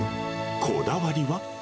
こだわりは？